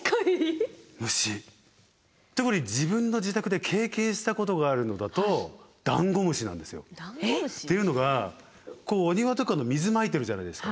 特に自分の自宅で経験したことがあるのだとダンゴムシなんですよ。っていうのがこうお庭とかの水まいてるじゃないですか。